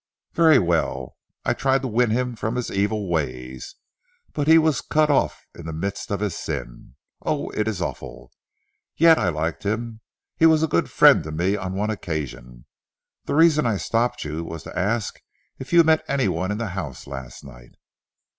"Very well. I tried to win him from his evil ways. But he was cut off in the midst of his sin. Oh, it is awful. Yet I liked him. He was a good friend to me on one occasion. The reason I stopped you, was to ask if you met anyone in the house last night."